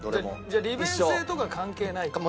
じゃあ利便性とか関係ないと？